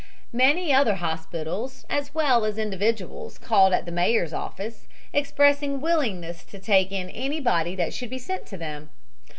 Many other hospitals as well as individuals called at the mayor's office, expressing willingness to take in anybody that should be sent to them.